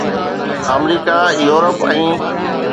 آمريڪا، يورپ ۽